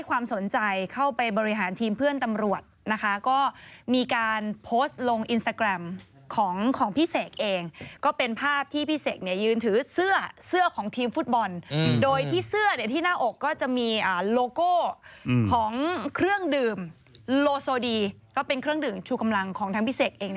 ก็เป็นเครื่องดื่มชูกำลังของทางพี่เสกเอง